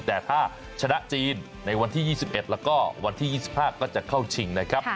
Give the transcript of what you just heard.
แต่ถ้าชนะจีนในวันที่๒๑แล้วก็วันที่๒๕ก็จะเข้าชิงนะครับ